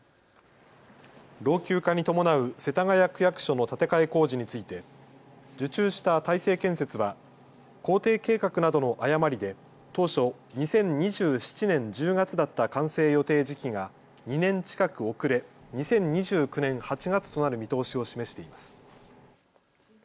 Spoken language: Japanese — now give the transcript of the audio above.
老朽化に伴う世田谷区役所の建て替え工事について受注した大成建設は工程計画などの誤りで当初、２０２７年１０月だった完成予定時期が２年近く遅れ２０２９年８月となる見通しを示しています。